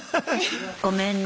ごめんね。